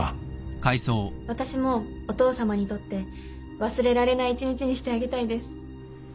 私もお父さまにとって忘れられない一日にしてあげたいです